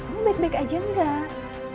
ini baik baik aja enggak